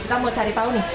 kita mau cari tahu nih